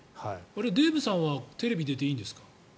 デーブさんはテレビに出ていいんですか？